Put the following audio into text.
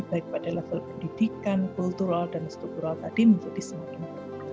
baik pada level pendidikan kultural dan struktural tadi menurut di sini